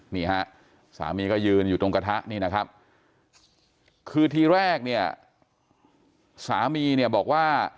นี่ฮะสามีก็ยืนอยู่ตรงกระทะนี่นะครับคือทีแรกเนี่ยสามีเนี่ยบอกว่า